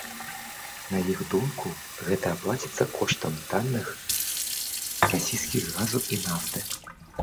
На іх думку, гэта аплаціцца коштам танных расійскіх газу і нафты.